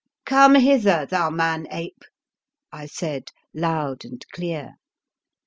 " Come hither, thou man ape," I said, loud and clear.